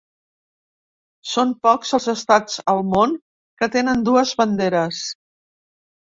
Són pocs els estats al món que tenen dues banderes.